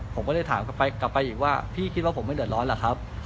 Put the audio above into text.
ผมก็เลยถามกลับไปกลับไปอีกว่าพี่คิดว่าผมไม่เดือดร้อนเหรอครับ